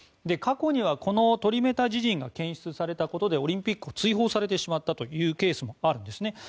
過去には、このトリメタジジンが検出されたことでオリンピックを追放されてしまったケースもあるんですね。